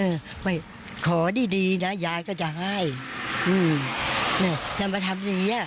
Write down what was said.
เออไม่ขอดีดีนะยายก็จะให้อืมเนี่ยจะมาทำอย่างเงี้ย